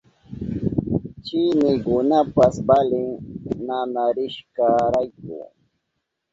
Chinikunapas valin nanarishkarayku.